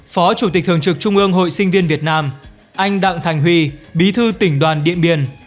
phó chủ tịch thường trực trung ương hội sinh viên việt nam anh đặng thành huy bí thư tỉnh đoàn điện biên